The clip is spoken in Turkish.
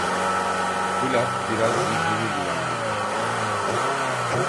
Bu laf biraz zihnimi bulandırdı.